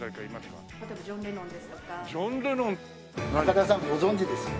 高田さんご存じです？